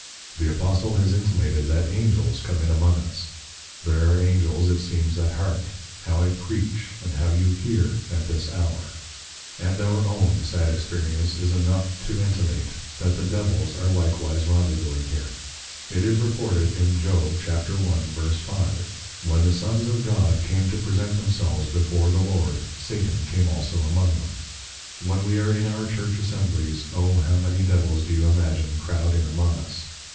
The Apostle has intimated, that Angels come in among us; there are Angels it seems that hark, how I Preach, and how you Hear, at this Hour. And our own sad Experience is enough to intimate, That the Devils are likewise Rendevouzing here. It is Reported, in Job 1.5. When the Sons of God came to present themselves before the Lord, Satan came also among them. When we are in our Church Assemblies, O how many Devils, do you imagine, croud in among us!